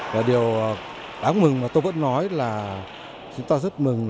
và điều đáng mừng mà tôi vẫn nói là chúng ta rất mừng